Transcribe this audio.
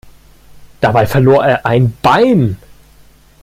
Dabei verlor er ein Bein.